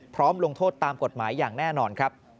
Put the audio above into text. พร้อมลงโทษตามกฎหมายอย่างแน่นอน